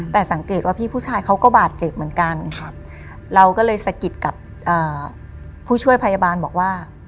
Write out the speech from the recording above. แต่สังเกตว่าพี่ผู้ชายเขาก็บาดเจ็บเหมือนกันเราก็เลยสะกิดกับผู้ช่วยพยาบาลบอกว่า